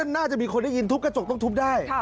น่าจะมีคนได้ยินทุบกระจกต้องทุบได้